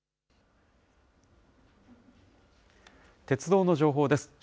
鉄道の情報です。